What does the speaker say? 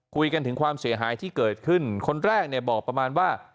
คุยกันถึงความเสียหายที่เกิดขึ้นคนแรกเนี่ยบอกประมาณว่า